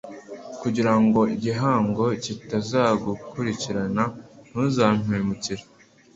kugira ngo igihango kitazagukurikirana ntuzampemukire